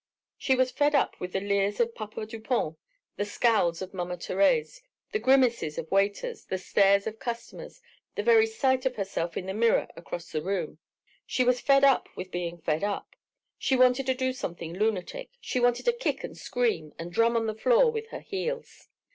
She was fed up with the leers of Papa Dupont, the scowls of Mama Thérèse, the grimaces of waiters, the stares of customers, the very sight of herself in the mirror across the room. She was fed up with being fed up, she wanted to do something lunatic, she wanted to kick and scream and drum on the floor with her heels.